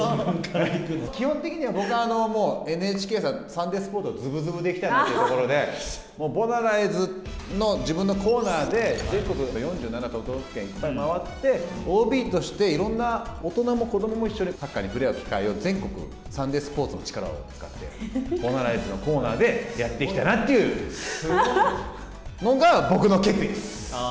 基本的には僕、ＮＨＫさん、サンデースポーツとずぶずぶでいきたいというところで、もうボナライズの自分のコーナーで、全国４７都道府県、いっぱい回って、ＯＢとして、いろんな大人も子どもも一緒にサッカーにふれあう機会を全国、サンデースポーツの力を使って、ボナライズのコーナーでやっていきたいなというこれが僕の決意です。